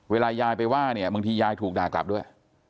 เวลายายไปว่าเนี่ยบางทียายถูกด่ากลับด้วย